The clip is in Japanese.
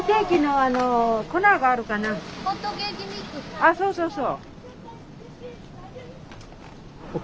あそうそうそう。